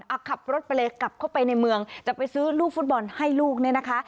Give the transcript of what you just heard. อ่ะขับรถไปเลยกลับเข้าไปในเมืองจะไปซื้อลูกฟุตบอลให้ลูกเนี่ยนะคะ